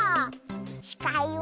しかいは